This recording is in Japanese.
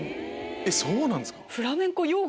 そうなんですか？